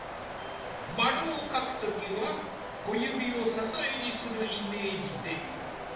丸を描く時は小指を支えにするイメージで。